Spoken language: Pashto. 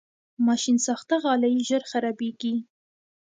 ماشینساخته غالۍ ژر خرابېږي.